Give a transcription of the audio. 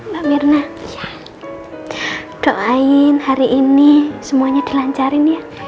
mbak mirna ya doain hari ini semuanya dilancarin ya